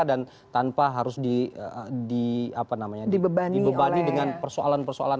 dan tanpa harus dibebani dengan persoalan persoalan